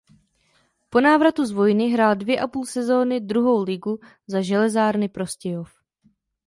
Po návratu z vojny hrál dvě a půl sezony druhou ligu za Železárny Prostějov.